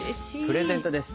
プレゼントです